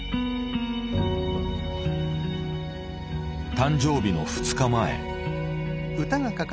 誕生日の２日前。